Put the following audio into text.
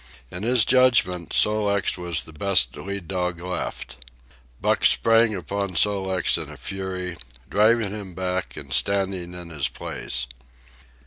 In his judgment, Sol leks was the best lead dog left. Buck sprang upon Sol leks in a fury, driving him back and standing in his place.